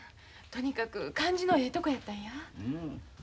とにかく感じのええとこやったんや。